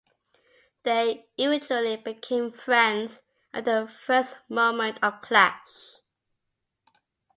They eventually became friends, after a first moment of clash.